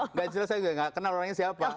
nggak jelas saya nggak kenal orangnya siapa